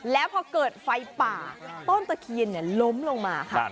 แล้วพอเกิดไฟป่าต้นตะเคียนล้มลงมาค่ะ